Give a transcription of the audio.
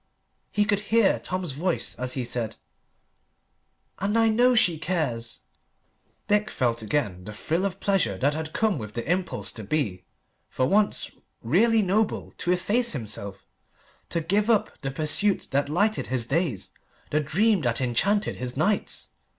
He could hear Tom's voice as he said "And I know she cares!" Dick felt again the thrill of pleasure that had come with the impulse to be, for once, really noble, to efface himself, to give up the pursuit that lighted his days, the dream that enchanted his nights.